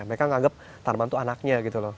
mereka nganggep tanaman itu anaknya gitu loh